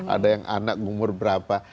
ada yang anak umur berapa